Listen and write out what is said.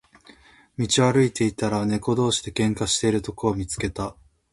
道を歩いていたら、猫同士で喧嘩をしているところを見つけた。